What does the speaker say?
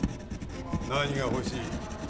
何が欲しい？